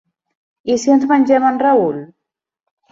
I si ens mengem en Raül?